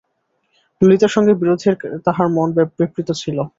ললিতার সঙ্গে বিরোধেই তাহার মন ব্যাপৃত ছিল।